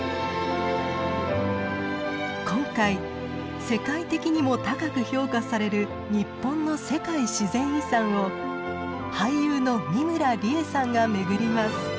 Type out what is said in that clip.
今回世界的にも高く評価される日本の世界自然遺産を俳優の美村里江さんが巡ります。